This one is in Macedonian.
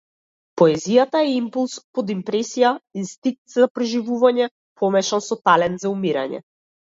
Поезијата е импулс под импресија, инстинкт за преживување помешан со талент за умирање.